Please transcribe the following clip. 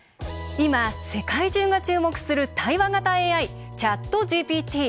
今、世界中が注目する対話型ＡＩＣｈａｔＧＰＴ。